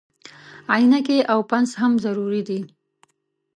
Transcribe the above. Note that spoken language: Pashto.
عینکې او پنس هم ضروري دي.